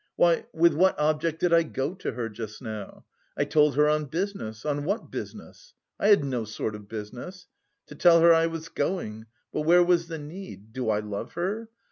"Why, with what object did I go to her just now? I told her on business; on what business? I had no sort of business! To tell her I was going; but where was the need? Do I love her?